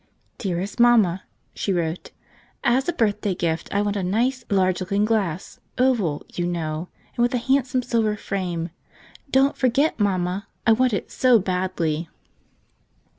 "Dearest Mamma," she wrote, "as a birth¬ day gift I want a nice, large looking glass, oval, you know, and with a handsome silver frame. Don't for¬ get, Mamma! I want it so badly!"